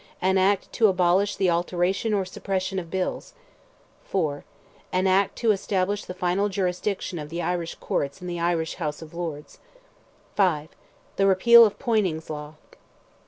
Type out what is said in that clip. An Act to abolish the alteration or suppression of Bills. IV. An Act to establish the final jurisdiction of the Irish Courts and the Irish House of Lords. V. The repeal of Poyning's Law.